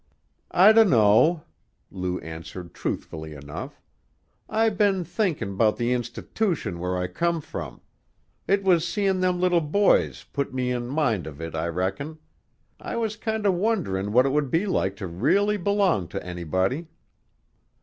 "I dunno," Lou answered truthfully enough. "I been thinkin' 'bout the institootion where I come from; it was seein' them little boys put me in mind of it, I reckon. I was kinder wonderin' what it would be like to really belong to anybody."